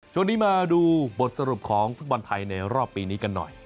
ช่วงนี้มาดูบทสรุปของฟุตบอลไทยในรอบปีนี้กันหน่อย